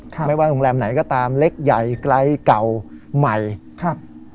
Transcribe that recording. ไม่ว่าโรงแรมไหนก็ตามเล็กใหญ่ไกลเก่าใหม่ครับ